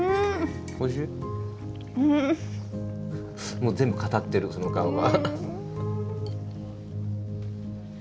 もう全部語ってるその顔が。